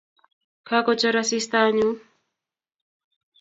Kakochor asista anyun.